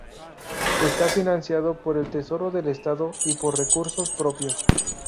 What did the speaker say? Está financiado por el Tesoro del Estado y por Recursos Propios.